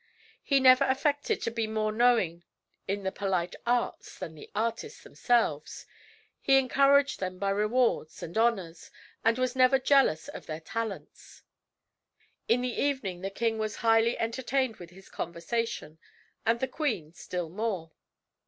He never affected to be more knowing in the polite arts than the artists themselves; he encouraged them by rewards and honors, and was never jealous of their talents. In the evening the king was highly entertained with his conversation, and the queen still more.